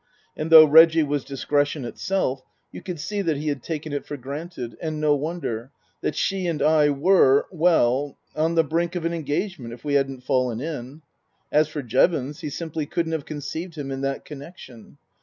And though Reggie was discretion itself, you could see that he had taken it for granted and no wonder that she and I were, well, on the brink of an engage ment if we hadn't fallen in. As for Jevons, he simply couldn't have conceived him in that connection.